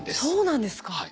そうなんですか？